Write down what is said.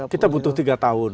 kita butuh tiga tahun